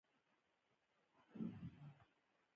ښوونکی نه و.